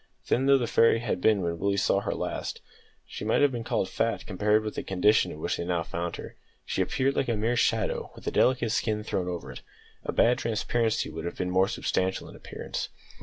Thin though the fairy had been when Willie saw her last, she might have been called fat compared with the condition in which they now found her. She appeared like a mere shadow, with a delicate skin thrown over it. A bad transparency would have been more substantial in appearance.